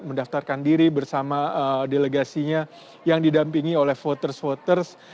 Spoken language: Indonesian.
mendaftarkan diri bersama delegasinya yang didampingi oleh voters voters